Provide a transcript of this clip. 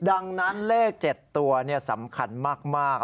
ดังนั้นเลข๗ตัวสำคัญมาก